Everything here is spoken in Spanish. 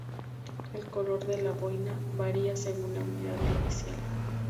El color de la boina varía según la unidad del oficial.